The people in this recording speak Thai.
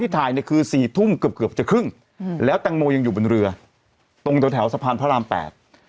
ตรงตรงแถวสพาณพระรามแปด